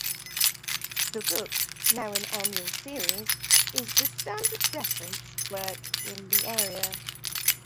The book, now an annual series, is the standard reference work in the area.